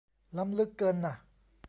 ล้ำลึกเกินน่ะ